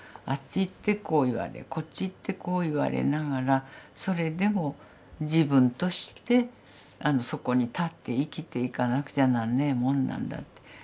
あっち行ってこう言われこっち行ってこう言われながらそれでも自分としてそこに立って生きていかなくちゃなんねえもんなんだって。